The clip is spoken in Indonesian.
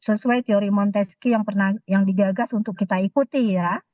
sesuai teori monteski yang digagas untuk kita ikuti ya